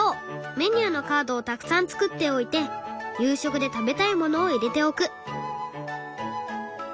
メニューのカードをたくさん作っておいて夕食で食べたいものを入れておく。